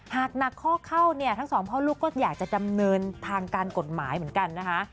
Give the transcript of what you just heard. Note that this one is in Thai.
หากหนักข้อเข้าเนี่ยทั้งสองพ่อลูกก็อยากจะดำเนินทางการกฎหมายเหมือนกันนะคะ